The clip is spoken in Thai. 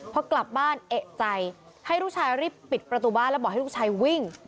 พอกลับบ้านเอกใจให้ลูกชายรีบปิดประตูบ้านแล้วบอกให้ลูกชายวิ่ง